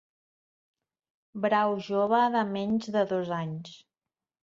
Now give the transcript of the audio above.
Brau jove, de menys de dos anys.